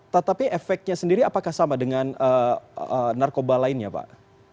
tetapi efeknya sendiri apakah sama dengan narkoba lainnya pak